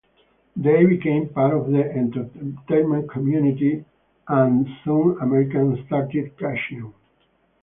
They became part of the entertainment community and soon Americans started catching on.